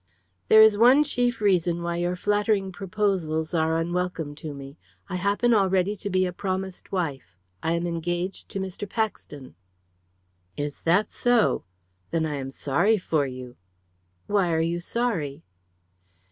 "There is one chief reason why your flattering proposals are unwelcome to me. I happen already to be a promised wife. I am engaged to Mr. Paxton." "Is that so? Then I am sorry for you." "Why are you sorry?"